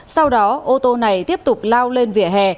sau đó ô tô này tiếp tục lao lên vỉa hè